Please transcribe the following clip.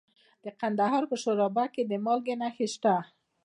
د کندهار په شورابک کې د مالګې نښې شته.